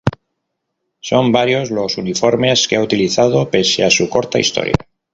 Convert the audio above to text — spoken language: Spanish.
Son varios los uniformes que ha utilizado pese a su corta historia.